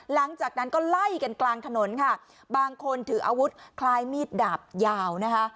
หลังจากนั้นก็ไล่กันกลางถนนค่ะบางคนถืออาวุธคล้ายมีดดาบยาวนะคะ